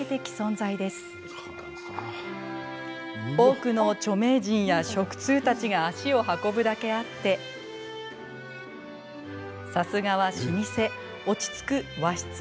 多くの著名人や食通たちが足を運ぶだけあってさすがは老舗落ち着く和室もご用意しております。